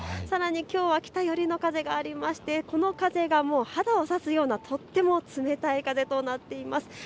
さらにきょうは北寄りの風がありましてこの風が肌を刺すようなとても冷たい風となっています。